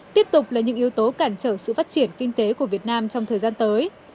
tiếp tục là những yếu tố cản trở sự phát triển kinh tế của việt nam trong thời gian tới